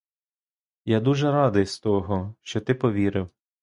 Я дуже радий з того, що ти повірив.